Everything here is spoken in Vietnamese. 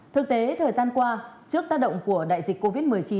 thực tế thời gian qua trước tác động của đại dịch covid một mươi chín